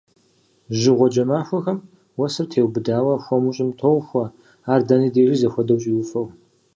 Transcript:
Жьыгъуэджэ махуэхэм уэсыр теубыдауэ, хуэму щӏым тохуэ, ар дэнэ дежи зэхуэдэу щӏиуфэу.